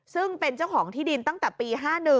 ซึ่งเป็นเจ้าของที่ดินตั้งแต่ปี๕๑